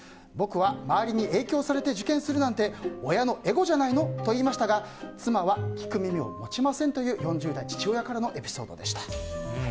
僕は周りに影響されて受験するなんて親のエゴじゃないの？と言いましたが妻は聞く耳を持ちませんという４０代の父親からのエピソードでした。